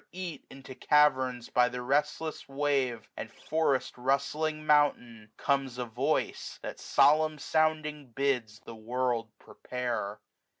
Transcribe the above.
Eat into caverns by the restless wave, 1501 And forest rustling mountain, comes a voice. That solemn sounding bids the world prepare.